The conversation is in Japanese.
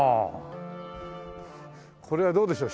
これはどうでしょう？